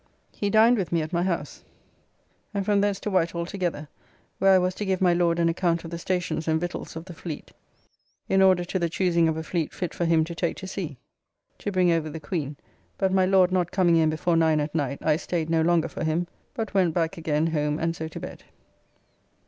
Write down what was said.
He dined with me at my house, and from thence to Whitehall together, where I was to give my Lord an account of the stations and victualls of the fleet in order to the choosing of a fleet fit for him to take to sea, to bring over the Queen, but my Lord not coming in before 9 at night I staid no longer for him, but went back again home and so to bed.